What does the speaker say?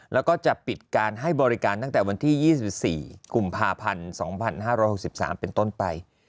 แล้วก็จะปิดการให้บริการตั้งแต่วันที่๒๔กุมภาพันธ์๒๕๖๓เป็นต้นไป